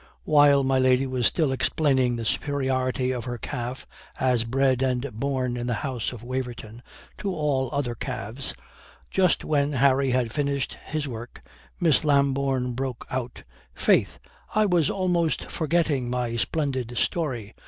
While my lady was still explaining the superiority of her calf, as bred and born in the house of Waverton, to all other calves, just when Harry had finished his work, Miss Lambourne broke out: "Faith, I was almost forgetting my splendid story.